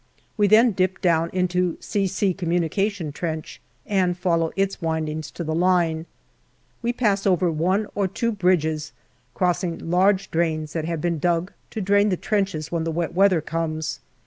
We then dip down into " C.C." communication trench, and follow its windings to the line. We pass over one or two bridges crossing large drains that have been dug to drain the trenches when the wet weather comes.